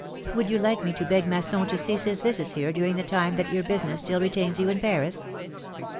Would you like me to beg Masson to cease his visits here during the time that your business still retains you in Paris?"